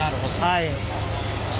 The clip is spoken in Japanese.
はい。